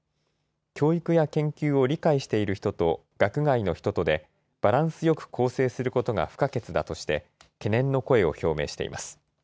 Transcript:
教育や研究を理解している人と学外の人とで、バランスよく構成することが不可欠だとして、懸念の声を表明しています。